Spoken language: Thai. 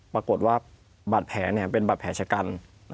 ปรากฏว่าบาดแผลเป็นบาดแผลชะกัน